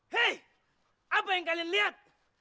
hei apa yang kalian lihat